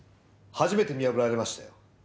初めて見破られましたよ。